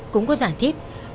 cũng có giải thích